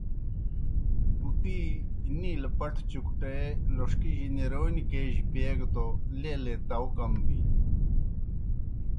بُٹِی نِیلہ پٹھہ چُکٹے لوݜکِجیْ نِرونیْ کیجیْ پیگہ توْ لیلے تاؤ کم بِینیْ۔